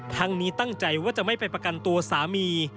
ทั้งนี้ตั้งใจว่าจะไม่ไปประกันตัวสามี